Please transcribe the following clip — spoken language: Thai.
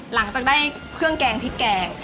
หลังจากได้เครื่องแกงพริกแกง